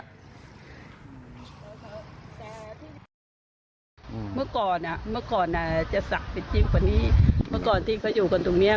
มันก็เป็นหลุมลึกแล้วมันก็เป็นป่าไผ่ป่าอะไรเนี่ย